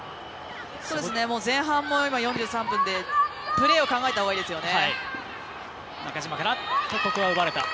前半も４３分でプレーを考えたほうがいいですね。